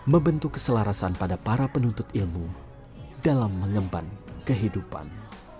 membentuk keselarasan pada para penuntut ilmu dalam mengemban kehidupan